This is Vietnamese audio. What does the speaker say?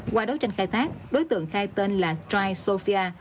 qua đấu tranh khai thác đối tượng khai tên là trai sofia